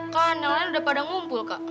kak yang lain udah pada ngumpul kak